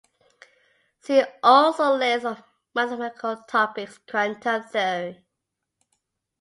"See also list of mathematical topics in quantum theory"